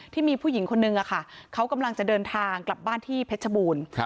ที่มีผู้หญิงคนนึงเขากำลังจะเดินทางกลับบ้านที่เพชรบูรณ์